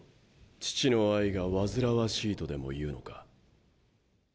父の愛が煩わしいとでも言うのか！？